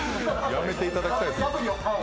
やめていただきたい。